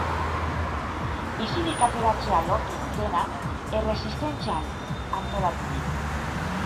Bizirik ateratzea lortu dutenak erresistentzian antolatu dira.